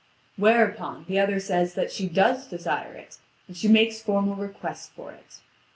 Whereupon, the other says that she does desire it, and she makes formal request for it.